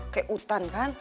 kayak hutan kan